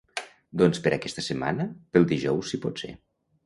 Doncs per aquesta setmana, pel dijous si pot ser.